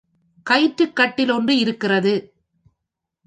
கயிற்றுக் கட்டில் ஒன்று இருக்கிறது.